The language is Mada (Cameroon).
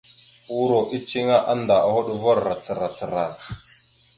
Uuro eceŋé annda a hoɗ va rac rac rac.